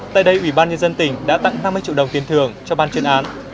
tại đây ủy ban nhân dân tỉnh đã tặng năm mươi triệu đồng tiền thường cho ban chuyên án